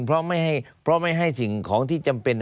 เพราะไม่ให้สิ่งของที่จำเป็น